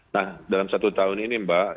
nah dalam satu tahun ini mbak